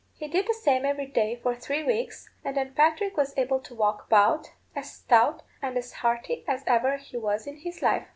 He did the same every day for three weeks, and then Patrick was able to walk about, as stout and as hearty as ever he was in his life.